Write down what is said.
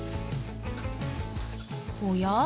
おや？